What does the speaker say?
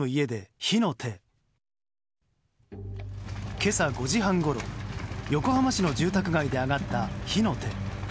今朝５時半ごろ横浜市の住宅街で上がった火の手。